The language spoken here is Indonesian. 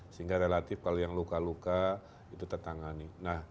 sehingga relatif kalau yang luka luka itu tertangani